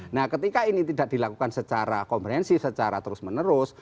nah ketika ini tidak dilakukan secara komprehensif secara terus menerus